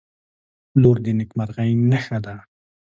• لور د نیکمرغۍ نښه ده.